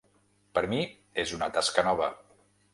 Per mi és una tasca nova.